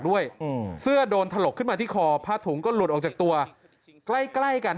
ด้วยอืมเสื้อโดนถลกขึ้นมาที่คอผ้าถุงก็หลุดออกจากตัวใกล้ใกล้กัน